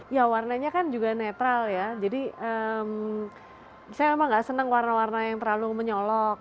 ya warnanya kan juga netral ya jadi saya memang gak senang warna warna yang terlalu menyolok